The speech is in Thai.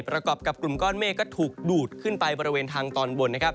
ประกอบกับกลุ่มก้อนเมฆก็ถูกดูดขึ้นไปบริเวณทางตอนบนนะครับ